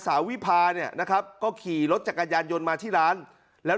วิพาเนี่ยนะครับก็ขี่รถจักรยานยนต์มาที่ร้านแล้ว